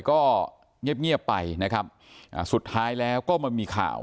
ก็เงียบไปนะครับสุดท้ายแล้วก็มันมีข่าว